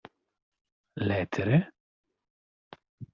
L'etere?